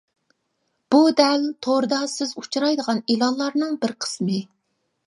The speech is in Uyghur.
بۇ دەل توردا سىز ئۇچرايدىغان ئېلانلارنىڭ بىر قىسمى.